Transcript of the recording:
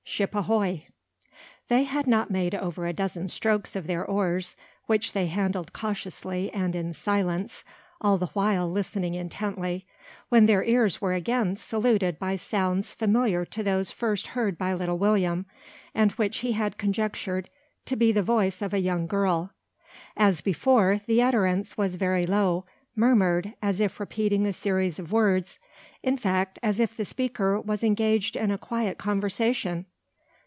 SHIP AHOY! They had not made over a dozen strokes of their oars, which they handled cautiously and in silence, all the while listening intently, when their ears were again saluted by sounds similar to those first heard by little William, and which he had conjectured to be the voice of a young girl. As before, the utterance was very low, murmured, as if repeating a series of words, in fact, as if the speaker was engaged in a quiet conversation.